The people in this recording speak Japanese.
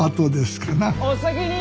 お先に！